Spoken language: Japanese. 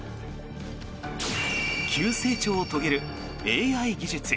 急成長を遂げるＡＩ技術。